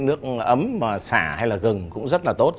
nước ấm mà xả hay là gừng cũng rất là tốt